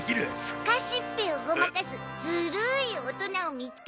すかしっ屁をごまかすずるい大人を見つけたけど？